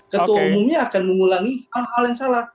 ketua umumnya akan mengulangi hal hal yang salah